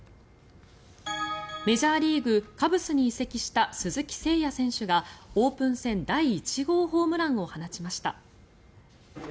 メジャーリーグカブスに移籍した鈴木誠也選手がオープン戦第１号ホームランを放ちました。